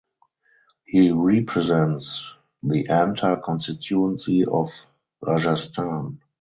He represents the Anta Constituency of Rajasthan.